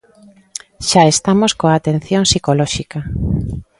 Xa estamos coa atención psicolóxica.